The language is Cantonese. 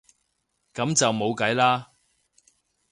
噉就冇計啦